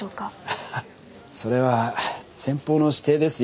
ハハそれは先方の指定ですよ。